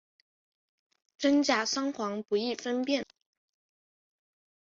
真假桑黄不易分辨。